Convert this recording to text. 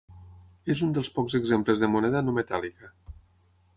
És un dels pocs exemples de moneda no metàl·lica.